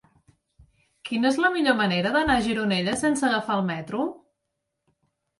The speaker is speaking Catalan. Quina és la millor manera d'anar a Gironella sense agafar el metro?